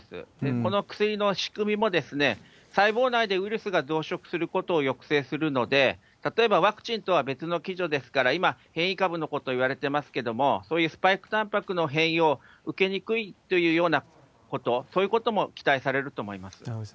この薬の仕組みも、細胞内でウイルスが増殖することを抑制するので、例えばワクチンとは別の機序ですから、今、変異株のこといわれてますけれども、そういうスパイクたんぱくの変異を受けにくいというようなこと、そういうことも期待されると思います。